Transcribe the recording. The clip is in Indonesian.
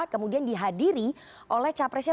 kemudian dihadiri oleh capresnya